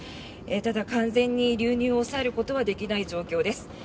ただ、完全に流入を抑えることはできない状況です。